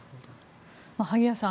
萩谷さん